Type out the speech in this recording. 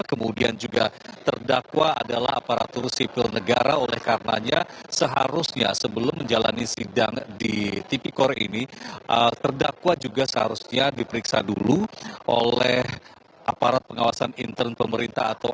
kemudian juga terdakwa adalah aparatur sipil negara oleh karenanya seharusnya sebelum menjalani sidang di tipikor ini terdakwa juga seharusnya diperiksa dulu oleh aparat pengawasan intern pemerintah